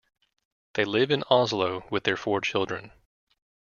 They live in Oslo with their four children.